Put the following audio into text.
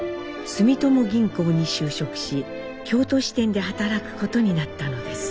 住友銀行に就職し京都支店で働くことになったのです。